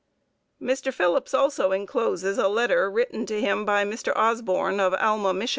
Mr. Phillips also incloses a letter written to him by Mr. Osborn, of Alma, Mich.